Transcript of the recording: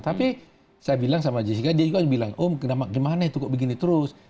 tapi saya bilang sama jessica dia juga bilang oh gimana itu kok begini terus